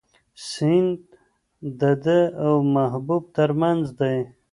سیند د ده او محبوب تر منځ دی.